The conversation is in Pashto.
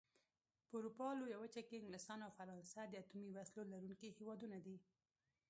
په اروپا لويه وچه کې انګلستان او فرانسه د اتومي وسلو لرونکي هېوادونه دي.